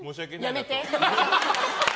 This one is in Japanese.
やめて！